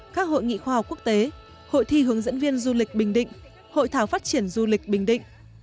các hội nghị khoa học quốc tế hội thi hướng dẫn viên du lịch bình định hội thảo phát triển du lịch bình định